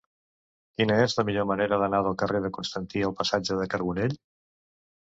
Quina és la millor manera d'anar del carrer de Constantí al passatge de Carbonell?